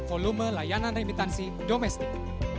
volume layanan remitansi domestik